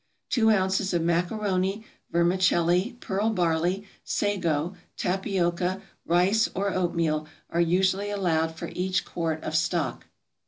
Two ounces of macaroni, vermicelli, pearl barley, sago, tapioca, rice, or oatmeal, are usually allowed for each quart of stock.